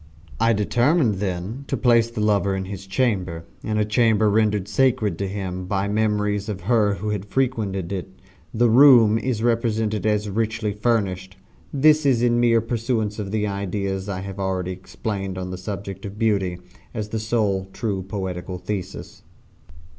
I determined, then, to place the lover in his chamber in a chamber rendered sacred to him by memories of her who had frequented it. The room is represented as richly furnished this in mere pursuance of the ideas I have already explained on the subject of Beauty, as the sole true poetical thesis.